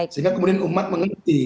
sehingga kemudian umat mengerti